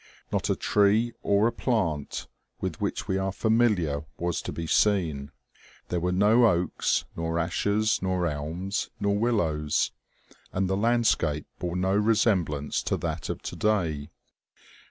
Not a tree or a plant with which we are familiar was to be seen. There were no oaks, nor ashes, nor elms, nor willows, and the landscape bore no resemblance to that of today.